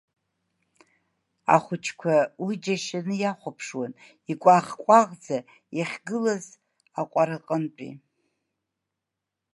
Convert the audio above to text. Ахәыҷқәа уи џьашьаны иахәаԥшуан, икәаӷ-кәаӷӡа иахьгылаз аҟәара аҟынтәи.